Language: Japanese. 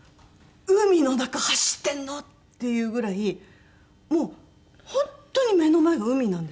海の中走ってるの？っていうぐらいもう本当に目の前が海なんですよ。